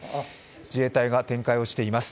自衛隊が展開をしています。